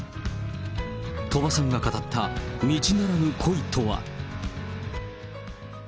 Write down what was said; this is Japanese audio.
鳥羽さんが語った道ならぬ恋とは。